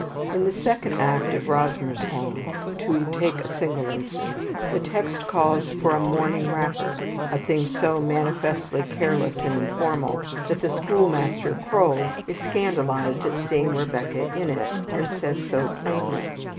In the second act of "Rosmersholm," to take a single instance, the text calls for a morning wrapper, a thing so manifestly careless and informal that the school master, Kroll, is scandalized at seeing Rebecca in it, and says so plainly.